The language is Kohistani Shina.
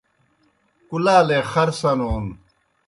کُلالے خر سنون